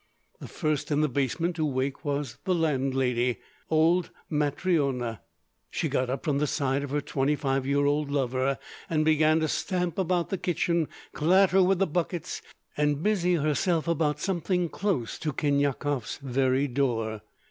The first in the basement to wake was the landlady, old Matryona. She got up from the side of her twenty five year old lover, and began to stamp about the kitchen, clatter with the buckets, and busy herself about something close to Khinyakov"s very door.